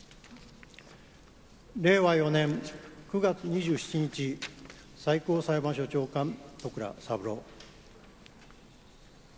令和４年９月２７日最高裁判所長官、戸倉三郎。